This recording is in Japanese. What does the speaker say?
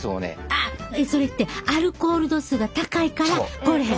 あっそれってアルコール度数が高いから凍らへんの？